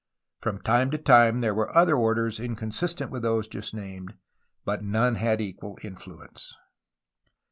From time to time there were other orders inconsistent with those just named, but none had an equal influence.